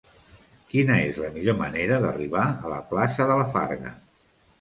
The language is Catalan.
Quina és la millor manera d'arribar a la plaça de la Farga?